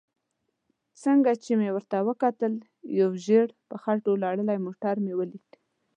څنګه چې مې ورته وکتل یو ژېړ په خټو لړلی موټر مې ولید.